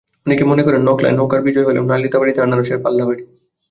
অনেকে মনে করেন, নকলায় নৌকার বিজয় হলেও নালিতাবাড়ীতে আনারসের পাল্লা ভারী।